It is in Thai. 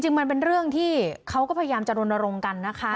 มันเป็นเรื่องที่เขาก็พยายามจะรณรงค์กันนะคะ